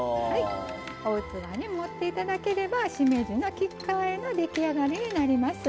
器に盛っていただければしめじの菊花あえの出来上がりになります。